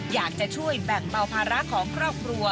อยากจะช่วยแบ่งเบาภาระของครอบครัว